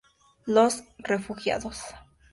Los refugiados.